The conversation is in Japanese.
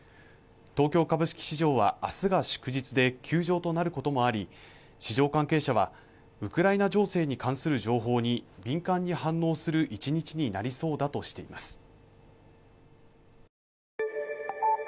東京株式市場は明日が祝日で休場となることもあり市場関係者はウクライナ情勢に関する情報に敏感に反応する１日になりそうだとしています